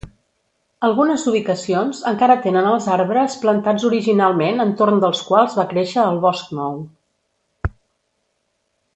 Algunes ubicacions encara tenen els arbres plantats originalment entorn dels quals va créixer el bosc nou.